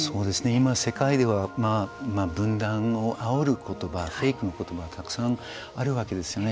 今、世界では分断をあおる言葉フェイクの言葉がたくさんあるわけですよね。